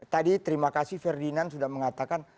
tadi terima kasih ferdinand sudah mengatakan